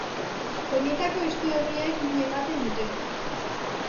Oinetako estuegiek min ematen dute.